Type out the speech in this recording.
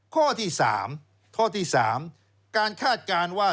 ข้อที่สามการคาดการณ์ว่า